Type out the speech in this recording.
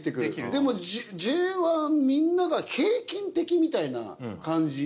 でもＪ１みんなが平均的みたいな感じ。